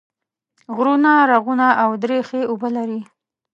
غرونه، رغونه او درې ښې اوبه لري